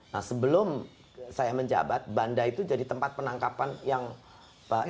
nah sebelum saya menjabat banda itu jadi tempat penangkapan yang baik